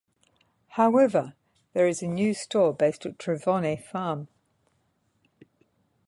However, there is a new store based at Trevone Farm.